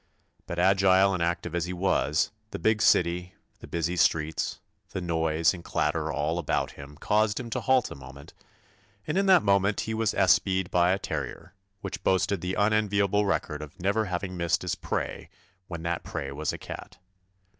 But agile and active as he was, the big city, the busy streets, the noise and clatter all about him caused him to halt a moment, and in that moment he was espied by a terrier, which boasted the unenviable record of never hav ing missed his prey when that prey 79 THE ADVENTURES OF was a cat.